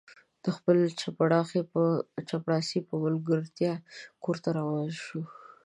د خپل چپړاسي په ملګرتیا کور ته روان شو.